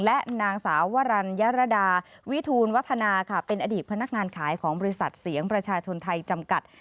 และนางสาววรรณยรดาวิทูลวัฒนาค่ะเป็นอดีตพนักงานขายของบริษัทเสียงประชาชนไทยจำกัด